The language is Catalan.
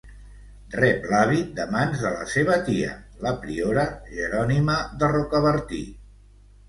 Rep l'hàbit de mans de la seva tia, la priora, Jerònima de Rocabertí.